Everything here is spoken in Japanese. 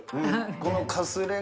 このかすれが。